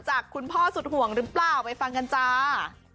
คุณพ่อสุดห่วงหรือเปล่าไปฟังกันจ้า